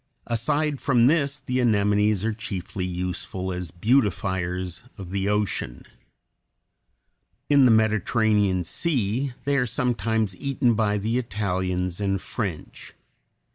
Aside from this, the anemones are chiefly useful as beautifiers of the ocean. In the Mediterranean Sea they are sometimes eaten by the Italians and French.